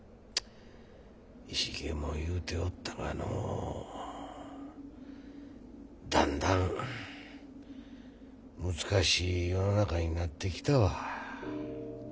石毛も言うておったがのだんだん難しい世の中になってきたわ。